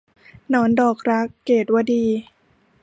หนอนดอกรัก - เกตุวดี